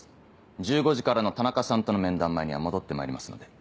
１５時からの田中さんとの面談前には戻ってまいりますので。